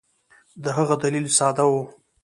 د هغه دلیل ساده وو.